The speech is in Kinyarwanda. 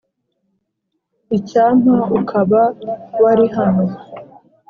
icyampa ukaba wari hano ...